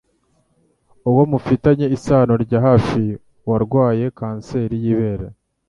uwo mufitanye isano rya hafi warwaye kanseri y'ibere